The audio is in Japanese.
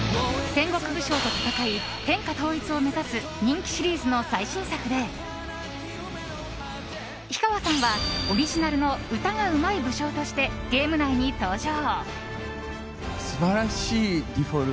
戦国武将と戦い天下統一を目指す人気シリーズの最新作で氷川さんはオリジナルの歌がうまい武将としてゲーム内に登場。